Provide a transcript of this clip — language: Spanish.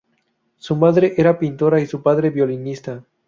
Su madre era pintora y su padre violinista.